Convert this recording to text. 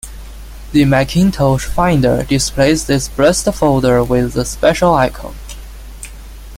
The Macintosh Finder displays this "blessed" folder with a special icon.